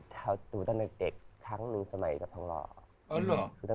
ถูกตามในเด็กทั้งหนึ่งสมัยกับถ้องรอ